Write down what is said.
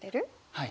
はい。